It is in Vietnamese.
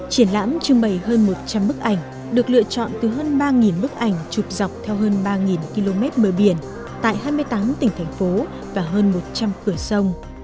triển lãm trưng bày hơn một trăm linh bức ảnh được lựa chọn từ hơn ba bức ảnh chụp dọc theo hơn ba km bờ biển tại hai mươi tám tỉnh thành phố và hơn một trăm linh cửa sông